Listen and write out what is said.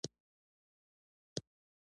بوټونه کله د پښو عیبونه پټوي.